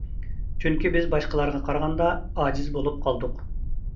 چۈنكى بىز باشقىلارغا قارىغاندا ئاجىز بولۇپ قالدۇق.